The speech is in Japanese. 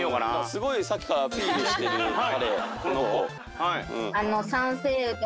すごいさっきからアピールしてる彼この子。